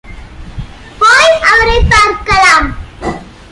போய் அவரைப் பார்க்கலாம்!